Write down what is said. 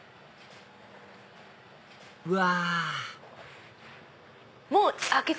うわ！